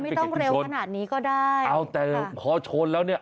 ไม่ต้องเร็วขนาดนี้ก็ได้ค่ะค่ะอ่าไม่ต้องชนเอาแต่คอชนแล้วเนี่ย